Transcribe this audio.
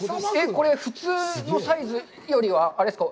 これ、普通のサイズよりはあれですか。